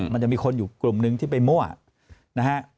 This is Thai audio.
มันจะมีคนอยู่กลุ่มนึงที่ไปมั่วนะฮะ